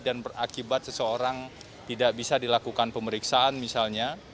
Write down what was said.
dan berakibat seseorang tidak bisa dilakukan pemeriksaan misalnya